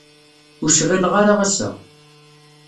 Ur cɣileɣ ara ass-a.